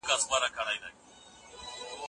که خاوند د دې وړتيا نلرله، چي ميرمن ورسره پاته سي.